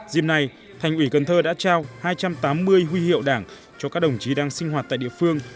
dìm nay thành ủy cần thơ đã trao hai trăm tám mươi huy hiệu đảng cho các đồng chí đang sinh hoạt tại địa phương